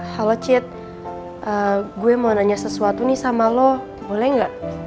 halo chit gue mau nanya sesuatu nih sama lo boleh nggak